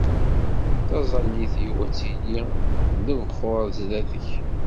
Taẓallit-iw ad tili d lebxuṛ sdat-k.